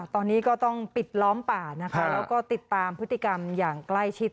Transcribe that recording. ตอนนี้ก็ต้องปิดล้อมป่านะคะแล้วก็ติดตามพฤติกรรมอย่างใกล้ชิด